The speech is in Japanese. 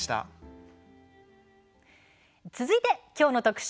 続いて、きょうの特集